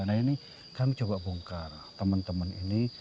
nah ini kami coba bongkar teman teman ini